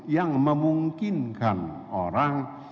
yang memungkinkan orang